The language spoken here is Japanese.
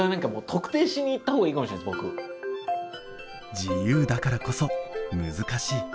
自由だからこそ難しい。